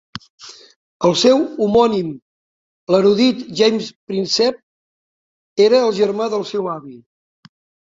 El seu homònim, l'erudit James Prinsep, era el germà del seu avi.